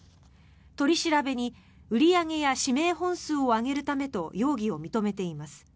取り調べに売り上げや指名本数を上げるためと容疑を認めています。